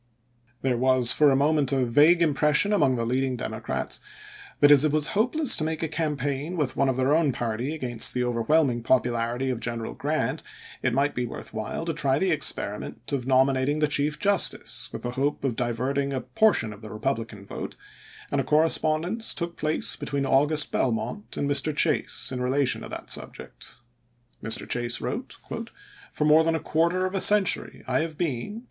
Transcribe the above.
There was for a mo it>id.,p.584 ment a vague impression among the leading Demo crats that as it was hopeless to make a campaign with one of their own party against the overwhelming popularity of General Grant, it might be worth while to try the experiment of nominating the Chief Justice with the hope of diverting a portion of the Republican vote, and a correspondence took place between August Belmont and Mr. Chase in relation to that subject. Mr. Chase wrote: "For more than a quarter of a century I have been, in 400 ABRAHAM LINCOLN ch. xvii.